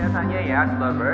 ternyata ya slogger